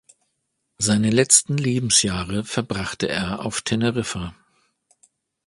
Seine letzten Lebensjahre verbrachte er auf Teneriffa.